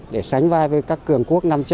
để sánh vai với các cường quốc nam châu